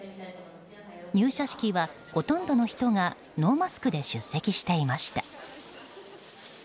入社式は、ほとんどの人がノーマスクで出席していました。